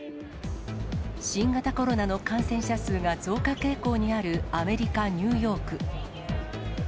新型コロナの感染者数が増加傾向にあるアメリカ・ニューヨーク。